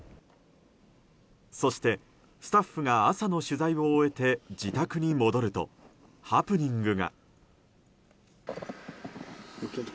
そして、スタッフが朝の取材を終えて自宅に戻るとハプニングが。